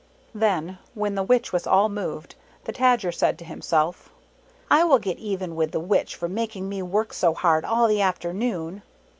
Then when the Witch was all moved, the Tajer said to himself, " I will get even with the Witch for making me work so hard all the afternoon."